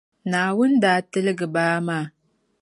Naawuni daa tiligi baa maa.